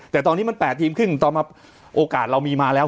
แต่ตอนนี้มันแปะทีมขึ้นตอนนี้โอกาสเรามีมาแล้ว